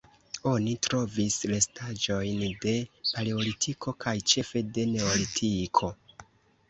Oni trovis restaĵojn de Paleolitiko kaj ĉefe de Neolitiko.